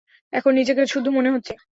এখন নিজেকে শুদ্ধ মনে হচ্ছে।